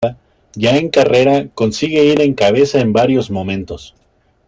Ya en carrera, consigue ir en cabeza en varios momentos.